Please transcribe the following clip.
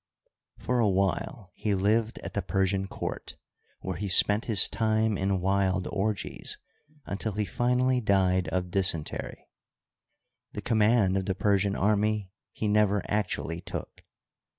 For a while he lived at the Persian court, where he spent his time in wild orgies until he finally died of dysentery. The command of the Per sian army he never actually took.